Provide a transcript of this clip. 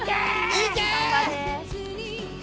いけ！